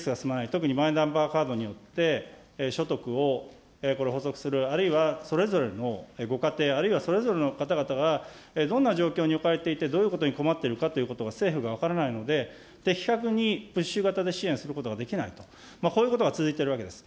特にマイナンバーカードによって所得をこれ捕捉する、あるいは、それぞれのご家庭、あるいはそれぞれの方々がどんな状況に置かれていて、どういうことに困っているかということが政府が分からないので、的確にプッシュ型で支援することができないと、こういうことが続いているわけです。